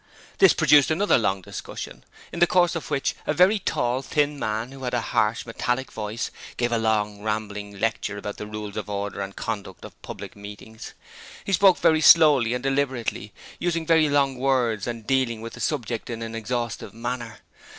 This produced another long discussion, in the course of which a very tall, thin man who had a harsh, metallic voice gave a long rambling lecture about the rules of order and the conduct of public meetings. He spoke very slowly and deliberately, using very long words and dealing with the subject in an exhaustive manner.